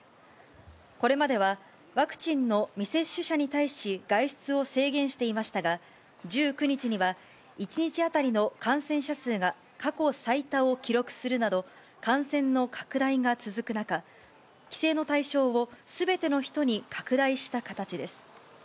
これまでは、ワクチンの未接種者に対し外出を制限していましたが、１９日には、１日当たりの感染者数が過去最多を記録するなど、感染の拡大が続く中、規制の対象をすべての人に拡大した形です。